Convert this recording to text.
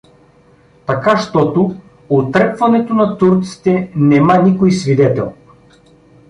Така щото утрепването на турците нема никой свидетел.